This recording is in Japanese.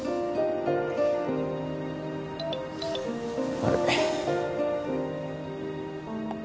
悪い。